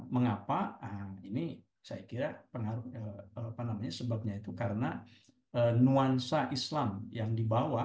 mengapa ini saya kira sebabnya itu karena nuansa islam yang dibawa